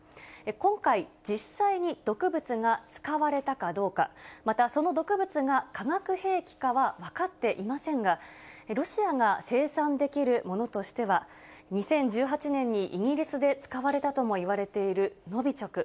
今回、実際に毒物が使われたかどうか、またその毒物が化学兵器かは分かっていませんが、ロシアが生産できるものとしては、２０１８年にイギリスで使われたともいわれているノビチョク。